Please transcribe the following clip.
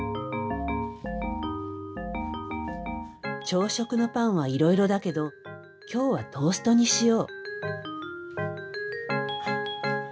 朝食のパンはいろいろだけど今日はトーストにしよう。